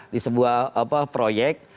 di sebuah proyek